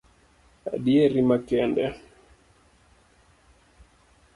Adieri makende